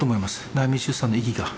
内密出産の意義が。